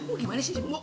oh gimana sih semua